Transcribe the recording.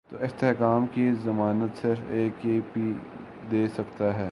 تو اس استحکام کی ضمانت صرف اے کے پی دے سکتی ہے۔